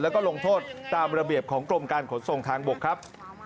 แล้วก็ลงโทษตามระเบียบของกรมการขนส่งทางบกครับ